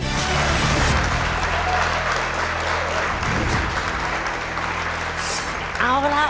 จากการโปรดประดาษ